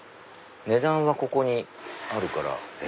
値段はここにあるから。